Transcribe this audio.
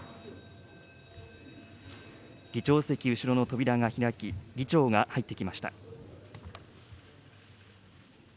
議長席後ろの扉が開き、議長が入ってきました。